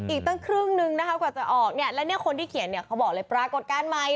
อีกตั้งครึ่งนึงนะคะกว่าจะออกเนี่ยแล้วเนี่ยคนที่เขียนเนี่ยเขาบอกเลยปรากฏการณ์ใหม่